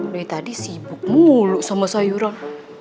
dari tadi sibuk muluk sama sayuran